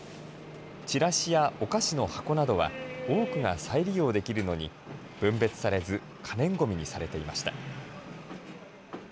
チラシやお菓子の箱などは、多くが再利用できるのに、分別されず、可燃ごみにされていました。